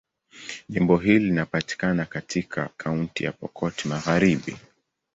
Jimbo hili linapatikana katika Kaunti ya Pokot Magharibi.